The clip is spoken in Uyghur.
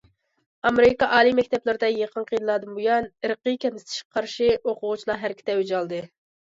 ئامېرىكا ئالىي مەكتەپلىرىدە يېقىنقى يىللاردىن بۇيان ئىرقىي كەمسىتىشكە قارشى ئوقۇغۇچىلار ھەرىكىتى ئەۋج ئالدى.